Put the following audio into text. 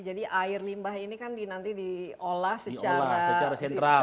jadi air limbah ini kan nanti diolah secara sentral